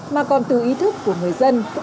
mà còn từ ý thức của người dân